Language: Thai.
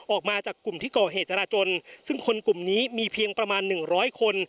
ออกมาจากกลุ่มที่ก่อเหตุจราจนซึ่งคนกลุ่มนี้มีเพียงประมาณหนึ่งร้อยคน